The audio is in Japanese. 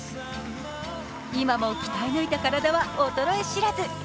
今も鍛え抜いた体は衰え知らず。